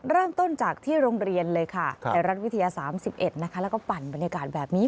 เริ่มต้นจากที่โรงเรียนเลยค่ะไทยรัฐวิทยา๓๑นะคะแล้วก็ปั่นบรรยากาศแบบนี้